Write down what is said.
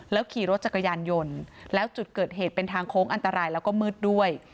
ขี่รถจักรยานยนต์แล้วจุดเกิดเหตุเป็นทางโค้งอันตรายแล้วก็มืดด้วย